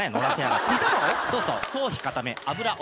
そうそう。